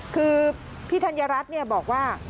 คือพี่ธัญรัฐบอกว่า